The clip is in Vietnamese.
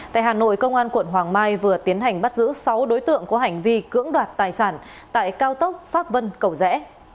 tại hà nội công an quận hoàng mai vừa tiến hành bắt giữ sáu đối tượng có hành vi cưỡng đoạt tài sản tại cao tốc pháp vân cầu rẽ